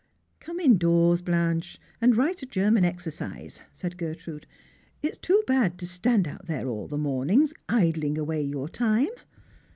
" Come indoors, Blanche, and write a German exercise," said jcrtrude. " It's too bad to stand out there all the morning, idling away your time."